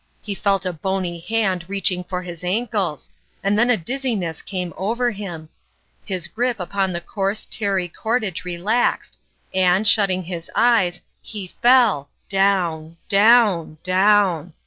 He felt a bony hand reaching for his ankles, and then 184 ftottrmalin's ime a dizziness came over him ; his grip upon the coarse, tarry cordage relaxed, and, shutting his eyes, he fell down down down.